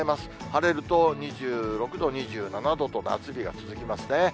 晴れると２６度、２７度と夏日が続きますね。